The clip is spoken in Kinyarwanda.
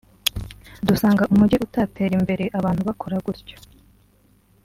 dusanga umujyi utatera imbere abantu bakora gutyo